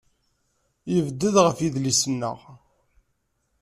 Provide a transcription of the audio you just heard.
Yebded ɣer yidis-nneɣ.